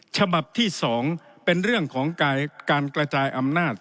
ฉบับที่๒เป็นเรื่องของการกระจายอำนาจ